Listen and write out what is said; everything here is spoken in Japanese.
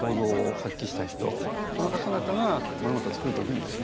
この方々が物事を作る時にですね